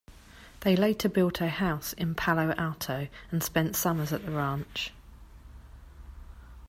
They later built a house in Palo Alto and spent summers at the ranch.